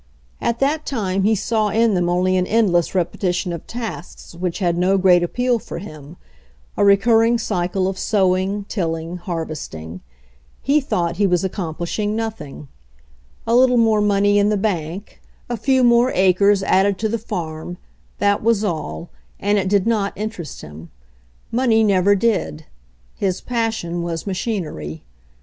At that time he saw in them only an endless repetition of tasks which had no great appeal for him, a recurring cycle of sowing, tilling, harvest ing. He thought he was accomplishing nothing. A little more money in the bank, a few more 52 LURE OF THE MACHINE SHOPS 53 acres added to the farm — that was all, and it did not interest him. Money never did. His pas sion was machinery.